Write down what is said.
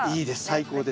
最高です。